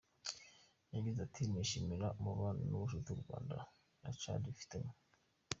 Yagize ati «“ Nishimira umubano n’ubushuti u Rwanda na Tchad bifitanye.